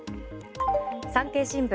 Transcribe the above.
産経新聞。